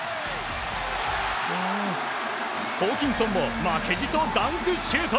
ホーキンソンも負けじとダンクシュート。